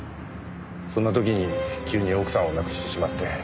そんな時に急に奥さんを亡くしてしまって。